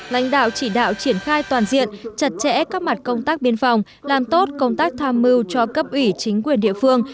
lãnh đạo chỉ đạo triển khai toàn diện chặt chẽ các mặt công tác biên phòng làm tốt công tác tham mưu cho cấp ủy chính quyền địa phương